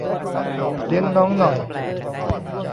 เลี้ยงน้องหน่อย